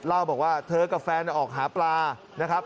ล่าวบอกว่าเธอกับแฟนออกหาปลา